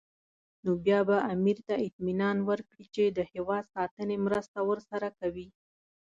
نو بیا به امیر ته اطمینان ورکړي چې د هېواد ساتنې مرسته ورسره کوي.